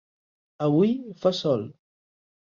Avui fa sol.